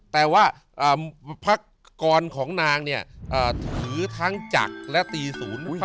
แต่ว่าพักกรของนางเนี่ยถือทั้งจักรและตีศูนย์